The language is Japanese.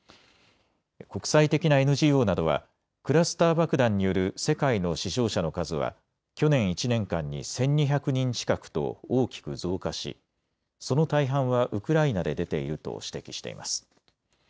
国際的なＮＧＯなどはクラスター爆弾による世界の死傷者の数は去年１年間に１２００人近くと大きく増加し、その大半はウクライナで出ていると指摘しています。